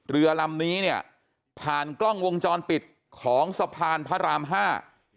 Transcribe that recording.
เรือลำนี้เนี่ยผ่านกล้องวงจรปิดของสะพานพระรามห้า